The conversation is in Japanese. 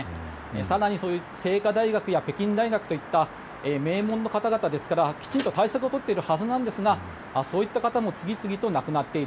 更に清華大学や北京大学といった名門の方々ですからきちんと対策を取っているはずなんですがそういった方も次々と亡くなっている。